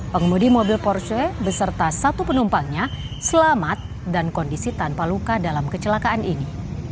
pengemudi mobil porsche beserta satu penumpangnya selamat dan kondisi tanpa luka dalam kecelakaan ini